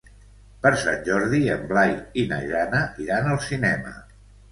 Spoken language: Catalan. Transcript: Per Sant Jordi en Blai i na Jana iran al cinema.